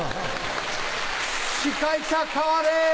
司会者代われ！